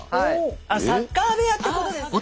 サッカー部屋ってことですね。